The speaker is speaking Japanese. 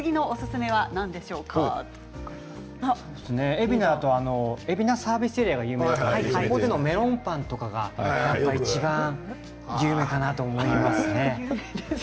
海老名といえば海老名サービスエリアが有名ですけどそこでのメロンパンとかがいちばん有名かなと思いますね。